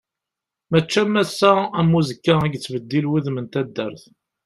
Mačči am ass-a am uzekka i yettbeddil wudem n taddart.